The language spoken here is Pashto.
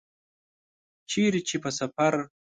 چیرته چي په سفر